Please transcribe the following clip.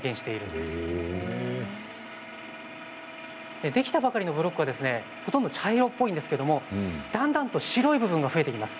できたばかりのブロックはほとんど茶色っぽいんですけれどだんだんと白い部分が増えていきます。